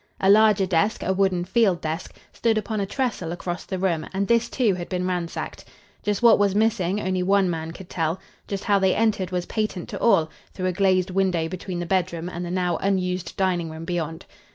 A larger desk, a wooden field desk stood upon a trestle across the room, and this, too, had been ransacked. Just what was missing only one man could tell. Just how they entered was patent to all through a glazed window between the bed room and the now unused dining room beyond.